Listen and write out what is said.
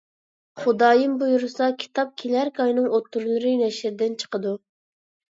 خۇدايىم بۇيرۇسا، كىتاب كېلەركى ئاينىڭ ئوتتۇرىلىرى نەشردىن چىقىدۇ.